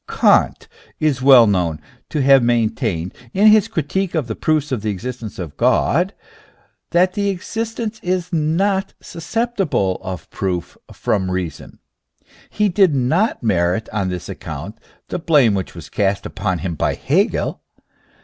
Kant is well known to have maintained, in his critique of the proofs of the existence of God, that that existence is not sus ceptihle of proof from reason. He did not merit, on this account, the blame which was cast on him by Hegel.